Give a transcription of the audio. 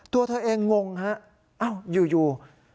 ตัวเธอเองงงฮะอ้าวอยู่